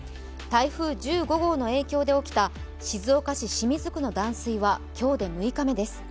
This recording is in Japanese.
台風１５号の影響で起きた静岡市清水区の断水は今日で６日目です。